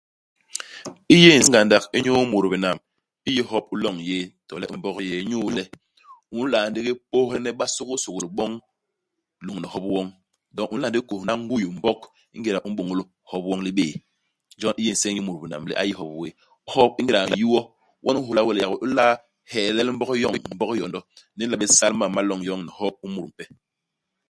I yé nseñ ngandak inyu mut binam iyi hop u loñ yéé, to le u Mbog yéé, inyu le, u nla ndigi pôdhene BaSôgôlSôgôl boñ lôñni hop woñ. Doñ u nla ndigi kôhna nguy i Mbog i ngéda u m'bôñôl hop woñ u libéé. Jon i yé nseñ inyu mut binam le a yi hop wéé. Ihop u, ingéda u n'yi wo, won u nhôla we le yak we u la'a helel Mbog yoñ, Mbog yondo. Ndi u nla bé sal mam ma loñ yoñ ni hop u mut mpe.